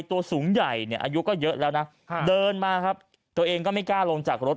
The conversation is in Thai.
ตัวสูงใหญ่เนี่ยอายุก็เยอะแล้วนะเดินมาครับตัวเองก็ไม่กล้าลงจากรถ